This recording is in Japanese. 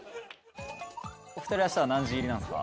２人明日は何時入りなんですか？